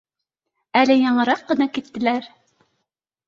Әле яңыраҡ ҡына киттеләр